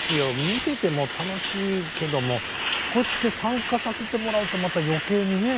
見てても楽しいけどもこうやって参加させてもらうとまた余計にね